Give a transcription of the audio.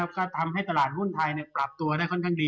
ก็ทำให้ตลาดหุ้นไทยปรับตัวได้ค่อนข้างดี